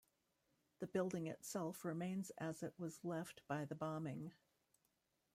The building itself remains as it was left by the bombing.